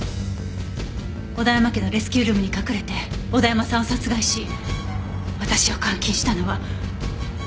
小田山家のレスキュールームに隠れて小田山さんを殺害し私を監禁したのは。